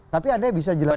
tapi anda bisa jelaskan